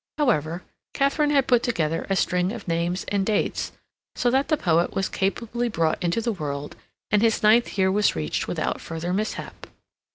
However, Katharine had put together a string of names and dates, so that the poet was capably brought into the world, and his ninth year was reached without further mishap.